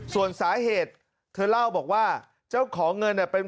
ส่วนสาเหตุเธอเล่าบอกว่าเจ้าของเงินเนี่ย